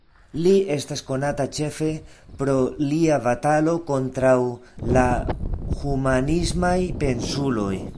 Li estas konata ĉefe pro lia batalo kontraŭ la humanismaj pensuloj.